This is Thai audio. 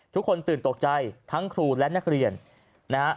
ทุกคนตื่นตกใจทั้งครูและนักเรียนนะฮะ